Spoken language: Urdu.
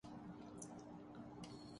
کیا پڑھتے ہیں